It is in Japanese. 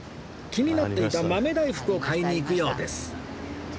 気になっていた豆大福を買いに行くようです